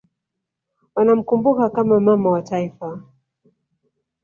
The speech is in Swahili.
wanamkumbuka kama Mama wa Taifa